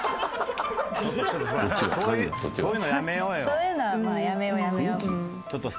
そういうのはやめようやめよう。